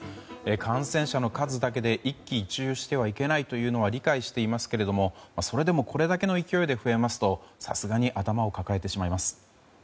感染者の数だけで一喜一憂してはいけないというのは理解していますけれどもそれでも、これだけの勢いで増えますとさすがに頭を抱えてしまいます。